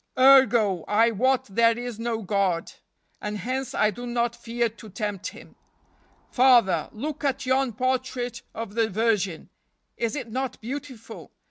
Ergo, I wot there is no God, and hence I do not fear to tempt Him. Father, look at yon portrait of the Virgin. Is it not beautiful?